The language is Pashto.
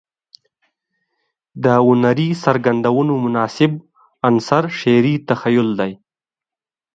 د هنري څرګندونو مناسب عنصر شعري تخيل دى.